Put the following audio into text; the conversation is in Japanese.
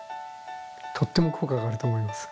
とっても効果が上がると思います。